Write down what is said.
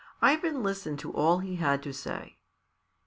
Ivan listened to all he had to say.